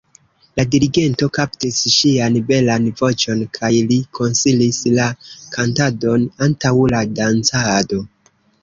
La dirigento kaptis ŝian belan voĉon kaj li konsilis la kantadon antaŭ la dancado.